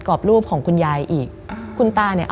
มันกลายเป็นรูปของคนที่กำลังขโมยคิ้วแล้วก็ร้องไห้อยู่